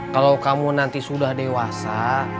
kalau kamu nanti sudah dewasa